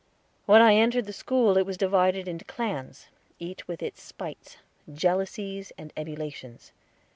When I entered the school it was divided into clans, each with its spites, jealousies, and emulations.